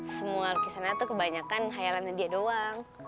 semua lukisannya tuh kebanyakan hayalannya dia doang